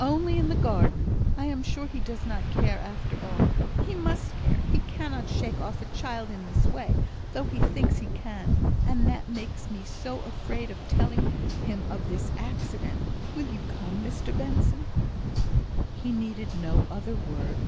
"Only in the garden. I am sure he does care after all; he must care; he cannot shake off a child in this way, though he thinks he can; and that makes me so afraid of telling him of this accident. Will you come, Mr Benson?" He needed no other word.